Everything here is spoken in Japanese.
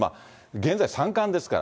現在、三冠ですから。